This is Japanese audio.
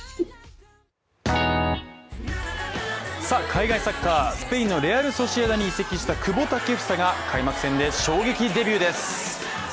海外サッカー、スペインのレアル・ソシエダに移籍した久保建英が開幕戦で衝撃デビューです。